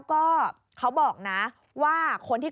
โปรดติดตามต่อไป